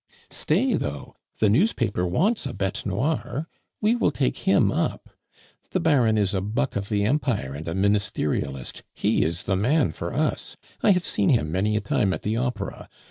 "Stay though! the newspaper wants a bete noire; we will take him up. The Baron is a buck of the Empire and a Ministerialist; he is the man for us; I have seen him many a time at the Opera.